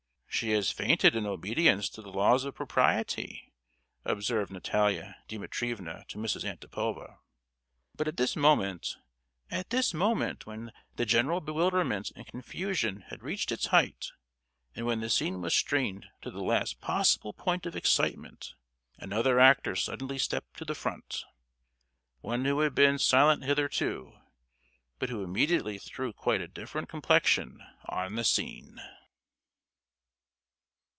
"She has fainted in obedience to the laws of propriety!" observed Natalia Dimitrievna to Mrs. Antipova. But at this moment—at this moment when the general bewilderment and confusion had reached its height, and when the scene was strained to the last possible point of excitement, another actor suddenly stepped to the front; one who had been silent hitherto, but who immediately threw quite a different complexion on the scene.